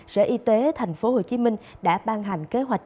sở y tế tp hcm đã ban hành kế hoạch